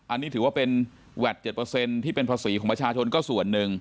อันนี้ถือว่าเป็นแวด๗ที่เป็นภาษีของประชาชนก็ส่วนหนึ่ง